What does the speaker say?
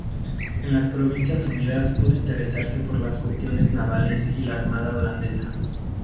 En las Provincias Unidas pudo interesarse por las cuestiones navales y la armada holandesa.